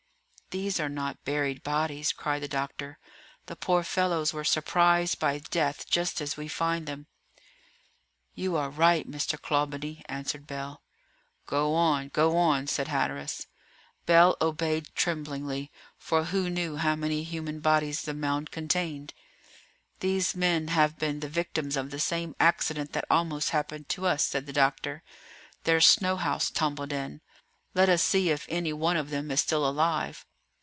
"These are not buried bodies," cried the doctor, "the poor fellows were surprised by death just as we find them." "You are right, Mr. Clawbonny," answered Bell. "Go on! go on!" said Hatteras. Bell obeyed tremblingly; for who knew how many human bodies the mound contained? "These men have been the victims of the same accident that almost happened to us," said the doctor. "Their snow house tumbled in. Let us see if any one of them is still alive."